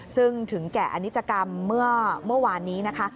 ซึ่งถึงแก่อนิจกรรมเมื่อวานนี้นะคะ